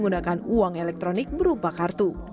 dan uang elektronik berupa kartu